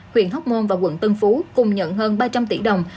huyện hóc môn và quận tân phú cùng nhận hơn ba trăm linh tỷ đồng